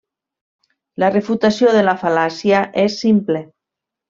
La refutació de la fal·làcia és simple.